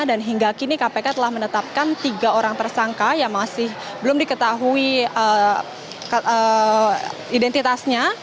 dan hingga kini kpk telah menetapkan tiga orang tersangka yang masih belum diketahui identitasnya